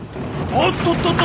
おっとっとっと。